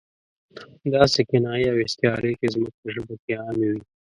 داسې کنایې او استعارې چې زموږ په ژبه کې عامې وي.